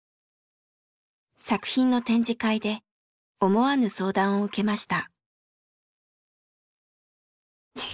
作品の展示会で思わぬ相談を受けました。